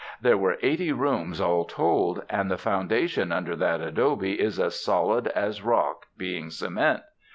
There were eighty rooms all told, and the foundation under that adobe is as solid as rock, being cement.